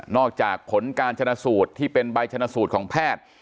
อกจากผลการชนะสูตรที่เป็นใบชนะสูตรของแพทย์